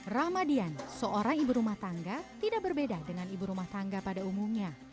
rahmadian seorang ibu rumah tangga tidak berbeda dengan ibu rumah tangga pada umumnya